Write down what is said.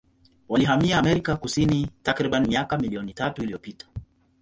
Walihamia Amerika Kusini takribani miaka milioni tatu iliyopita.